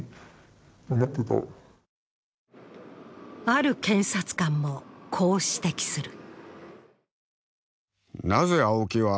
ある検察官も、こう指摘する。